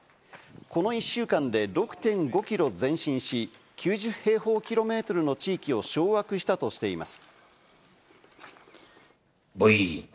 この１週間で６．５キロ前進し、９０平方キロメートルの地域を掌握したとしています。